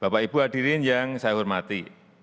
bapak ibu hadirin yang saya hormati